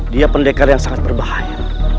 dia pendekar yang sangat berbahaya